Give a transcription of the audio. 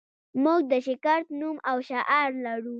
موږ د شرکت نوم او شعار لرو